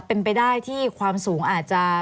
เป็นไปได้ที่ความสูงอาจจะ